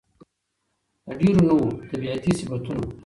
د ډېرو نوو طبيعتي صفتونو